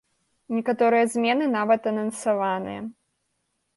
Некаторыя змены нават анансаваныя.